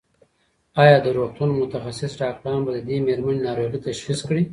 ایا د روغتون متخصص ډاکټران به د دې مېرمنې ناروغي تشخیص کړي؟